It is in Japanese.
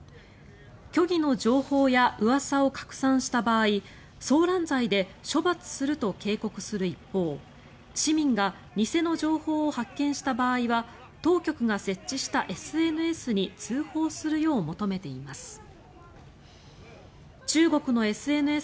虚偽の情報やうわさを拡散した場合騒乱罪で処罰すると警告する一方市民が偽の情報を発見した場合は当局が設置したＳＮＳに通報するよう求めています。